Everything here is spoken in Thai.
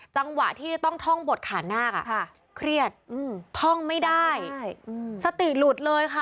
จังหวะที่จะต้องท่องบดขานาคเครียดท่องไม่ได้สติหลุดเลยค่ะ